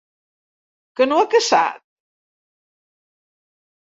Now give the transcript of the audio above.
Que no ho ha caçat?